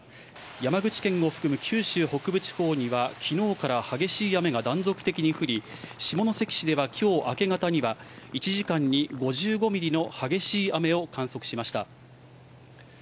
山口県を含む九州北部地方にはきのうから激しい雨が断続的に降り、下関市ではきょう明け方には１時間に５５ミリの激しい雨を観測しました。